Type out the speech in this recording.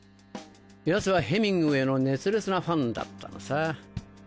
ヤツはヘミングウェイの熱烈なファンだったのさ。